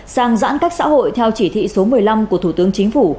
sang giãn cách xã hội theo chỉ thị số một mươi năm của thủ tướng chính phủ